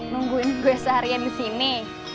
nungguin gue seharian disini